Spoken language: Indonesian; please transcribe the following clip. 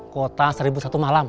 kota seribu satu malam